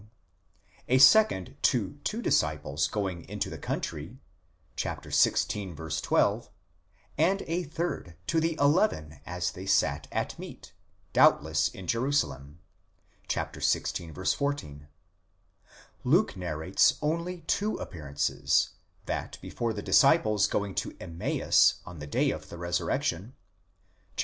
a second, to two disciples going into the country (xvi. 12); and a third, to the eleven as they sat at meat, doubtless in Jerusalem (xvi. 14). Luke narrates only two appearances: that before the disciples going to Emmaus on the day of the resurrection (xxiv.